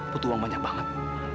butuh uang banyak banget